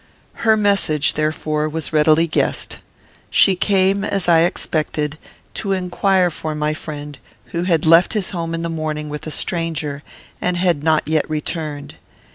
Her message, therefore, was readily guessed. She came, as I expected, to inquire for my friend, who had left his home in the morning with a stranger, and had not yet returned.